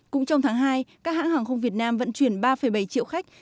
cũng trong tháng hai các hãng hàng không việt nam vận chuyển ba bảy triệu khách